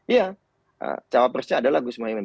ya capresnya adalah gus mohimin